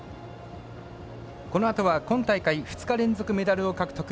このあとは今大会２日連続メダルを獲得。